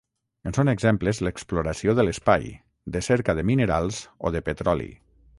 En són exemples l'exploració de l'espai, de cerca de minerals o de petroli.